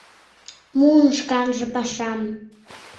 Муын шканже пашам!